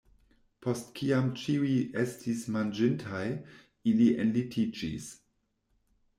Post kiam ĉiuj estis manĝintaj, ili enlitiĝis.